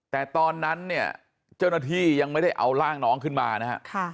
แต่ตอนนั้นเนี่ยเจ้าหน้าที่ยังไม่ได้เอาร่างน้องขึ้นมานะฮะ